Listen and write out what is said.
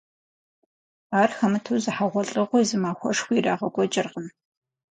Ар хэмыту зы хьэгъуэлӏыгъуи, зы махуэшхуи ирагъэкӏуэкӏыркъым.